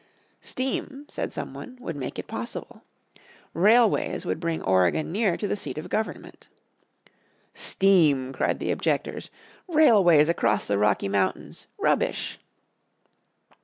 Steam, said someone, would make it possible. Railways would bring Oregon near to the seat of government. "Steam!" cried the objectors. "Railways across the Rocky Mountains! Rubbish!"